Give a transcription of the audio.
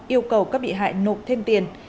yêu cầu các bị hại nộp thêm tiền